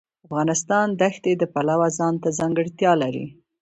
افغانستان د ښتې د پلوه ځانته ځانګړتیا لري.